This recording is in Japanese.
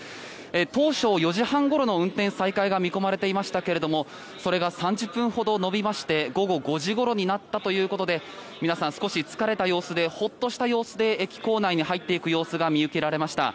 当初、４時半ごろの運転再開が見込まれていましたがそれが３０分ほど延びまして午後５時ごろになったということで皆さん少し疲れた様子でホッとした様子で駅構内に入っていく様子が見受けられました。